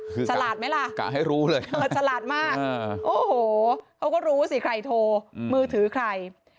ฉลาดไหมล่ะฉลาดมากโอ้โหเขาก็รู้สิใครโทรมือถือใคร